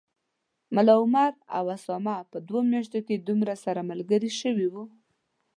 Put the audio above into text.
ملا عمر او اسامه په دوو میاشتو کي دومره سره ملګري شوي و